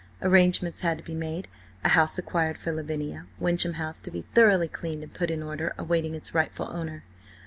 Arrangements had to be made, a house acquired for Lavinia, Wyncham House to be thoroughly cleaned and put in order, awaiting its rightful owner.